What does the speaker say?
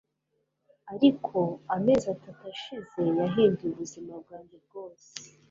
ariko amezi atatu ashize yahinduye ubuzima bwanjye bwose